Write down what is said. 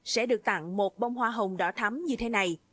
sẽ được tặng một bông hoa hồng đỏ thấm như thế này